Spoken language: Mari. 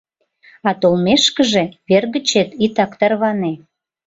— А толмешкыже, вер гычет итак тарване...